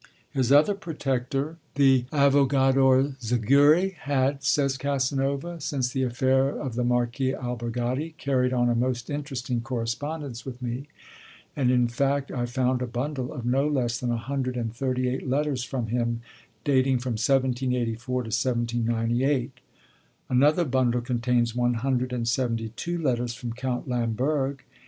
His other 'protector,' the avogador Zaguri, had, says Casanova, 'since the affair of the Marquis Albergati, carried on a most interesting correspondence with me'; and in fact I found a bundle of no less than a hundred and thirty eight letters from him, dating from 1784 to 1798. Another bundle contains one hundred and seventy two letters from Count Lamberg.